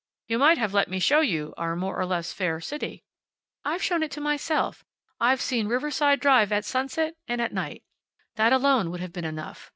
"You might have let me show you our more or less fair city." "I've shown it to myself. I've seen Riverside Drive at sunset, and at night. That alone would have been enough.